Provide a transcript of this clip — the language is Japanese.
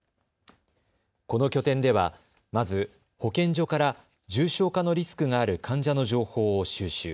この拠点では、まず保健所から重症化のリスクがある患者の情報を収集。